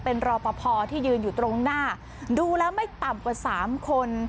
เป็นรอปภที่ยืนอยู่ตรงหน้าดูแล้วไม่ต่ำกว่าสามคน